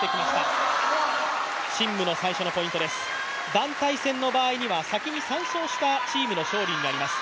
団体戦の場合には先に３勝したチームの勝利になります。